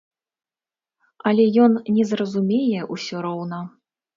Але ён не зразумее ўсё роўна.